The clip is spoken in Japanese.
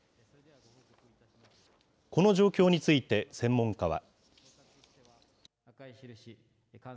この状況について、専門家は。